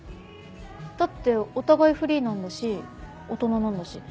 だってお互いフリーなんだし大人なんだし。